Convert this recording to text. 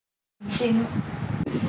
死ぬ？